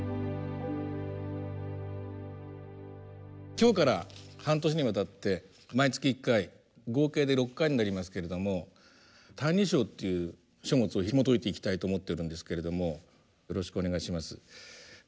今日から半年にわたって毎月１回合計で６回になりますけれども「歎異抄」という書物をひもといていきたいと思ってるんですけれどもよろしくお願いします。